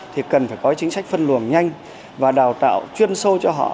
thì cần phải có chính sách phân luồng nhanh và đào tạo chuyên sâu cho họ